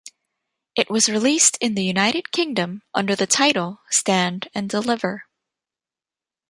It was released in the United Kingdom under the title Stand and Deliver.